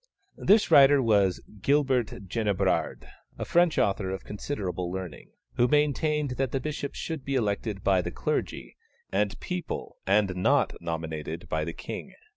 This writer was Gilbert Génébrard, a French author of considerable learning, who maintained that the bishops should be elected by the clergy and people and not nominated by the king.